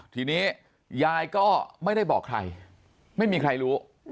ทีนี้ยายก็ไม่ได้บอกใครไม่มีใครรู้